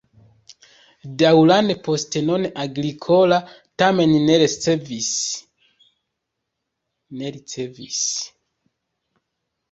Daŭran postenon Agricola tamen ne ricevis.